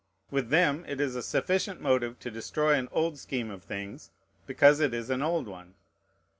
With them it is a sufficient motive to destroy an old scheme of things, because it is an old one.